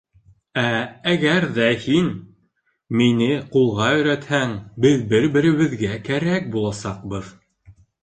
Ә әгәр ҙә һин мине ҡулға өйрәтһәң, беҙ бер беребеҙгә кәрәк буласаҡбыҙ.